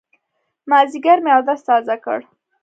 مازيګر مې اودس تازه کړ.